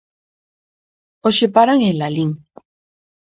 Hoxe paran en Lalín.